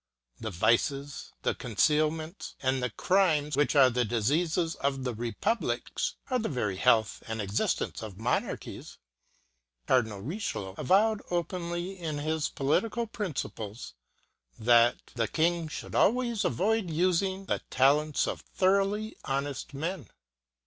The vices, the concealments, and the crimes which are the diseases of republics are the very health and existence of monarchies. Cardinal Richelieu avowed openly in his political princi ples, that "the king should always avoid using the talents of thoroughly honest men."